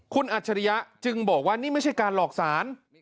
คุณอัจฉริยะจึงบอกว่านี่ไม่ใช่การหลอกสาร